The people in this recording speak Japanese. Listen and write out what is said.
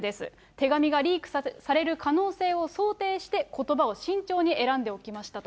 手紙がリークされる可能性を想定して、ことばを慎重に選んでおきましたと。